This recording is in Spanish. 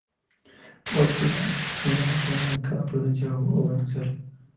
Hay por lo menos uno en cada provincia, o van a serlo.